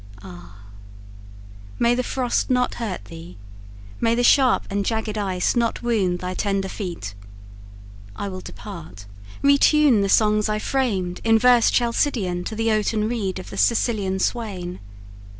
Ah! may the frost not hurt thee, may the sharp And jagged ice not wound thy tender feet! I will depart, re tune the songs I framed In verse Chalcidian to the oaten reed Of the Sicilian swain.